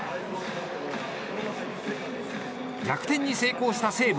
逆転に成功した西武。